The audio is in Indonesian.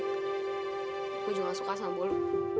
aku juga tidak suka sama bulu